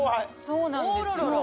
そうなんですよね。